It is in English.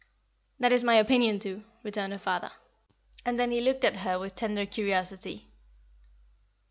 "That is my opinion, too," returned her father; and then he looked at her with tender curiosity.